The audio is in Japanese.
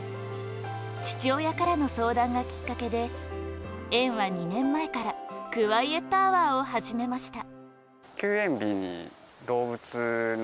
父親からの相談がきっかけで園は２年前からクワイエットアワーを始めました。